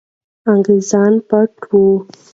انګریزان پټ وو.